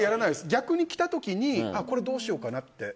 逆に来た時にこれどうしようかなって。